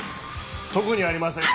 特にありません。